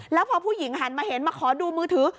แล้วพอผู้หญิงหันมาเห็นมาขอดูมือถือ